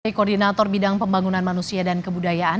koordinator bidang pembangunan manusia dan kebudayaan